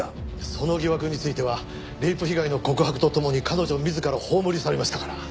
その疑惑についてはレイプ被害の告白と共に彼女自ら葬り去りましたから。